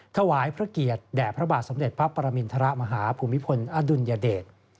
ถวายพระเกียรติแด่พระบาทสมเด็จพระปรมินทรมาฮภูมิพลอดุลยเดช